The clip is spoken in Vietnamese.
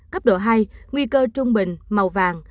cấp độ hai nguy cơ trung bình màu vàng